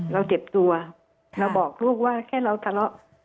เราเจ็บตัวเราบอกลูกว่าแค่เราทะเลาะ